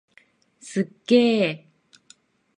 すっげー！